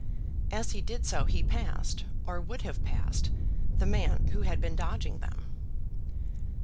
As he did so he passed, or would have passed the man who had been dodging them.